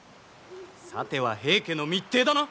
さては平家の密偵だな！？